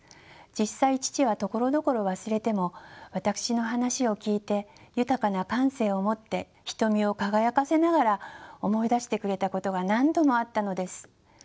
実際父はところどころ忘れても私の話を聞いて豊かな感性を持って瞳を輝かせながら思い出してくれたことが何度もあったのです。